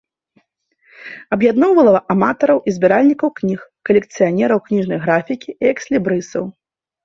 Аб'ядноўвала аматараў і збіральнікаў кніг, калекцыянераў кніжнай графікі і экслібрысаў.